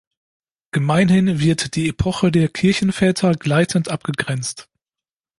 Gemeinhin wird die Epoche der Kirchenväter gleitend abgegrenzt.